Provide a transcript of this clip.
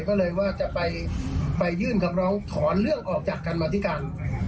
ก็เลยว่าจะไปยื่นคำร้องถอนเรื่องออกจากการมาธิการ